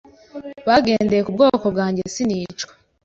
bagendeye ku bwoko bwange sinicwa